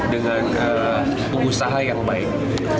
dengan pengusaha yang baik